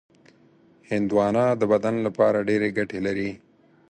هندوانه د بدن لپاره ډېرې ګټې لري.